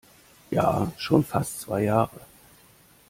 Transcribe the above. Ja, schon fast zwei Jahre.